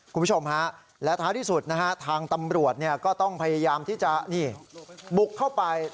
คุณผู้ชมฮะและท้ายที่สุดนะฮะทางตำรวจก็ต้องพยายามที่จะบุกเข้าไป